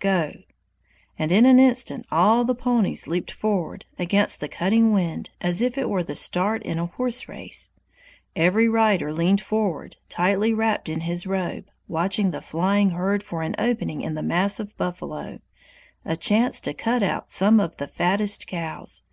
(Go) and in an instant all the ponies leaped forward against the cutting wind, as if it were the start in a horse race. Every rider leaned forward, tightly wrapped in his robe, watching the flying herd for an opening in the mass of buffalo, a chance to cut out some of the fattest cows.